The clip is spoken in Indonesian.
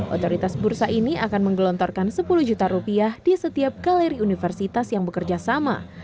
otoritas bursa ini akan menggelontorkan sepuluh juta rupiah di setiap galeri universitas yang bekerja sama